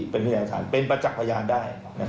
เป็นพยานฐานเป็นประจักษ์พยานได้